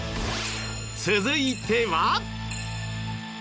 続いては。